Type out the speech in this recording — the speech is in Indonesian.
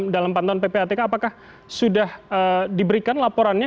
dalam pantauan ppatk apakah sudah diberikan laporannya